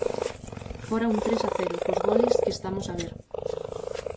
Fóra un tres a cero, cos goles que estamos a ver.